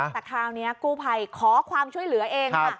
แต่คราวนี้กู้ภัยขอความช่วยเหลือเองค่ะ